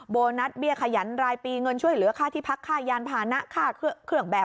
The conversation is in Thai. โบนัสเบี้ยขยันรายปีเงินช่วยเหลือค่าที่พักค่ายานพานะค่าเครื่องแบบ